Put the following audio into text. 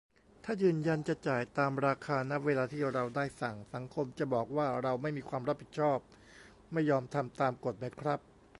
ถ้ายืนยันจะจ่ายตามราคา ณ เวลาที่เราได้สั่ง สังคมจะบอกว่าเราไม่มีความรับผิดชอบ ไม่ยอมทำตามกฎไหมครับ